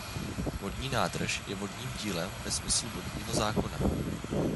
Vodní nádrž je vodním dílem ve smyslu vodního zákona.